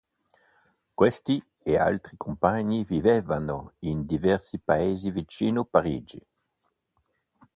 Questi e altri compagni vivevano in diversi paesi vicino Parigi.